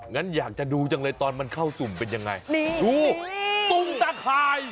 งั้นอยากจะดูจังเลยตอนมันเข้าตุ่มเป็นยังไงดูตุงตะข่าย